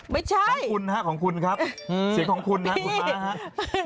ไม่ใช่คุณครับของคุณครับเสียงของคุณครับคุณมาร์ครับคุณมาร์ครับ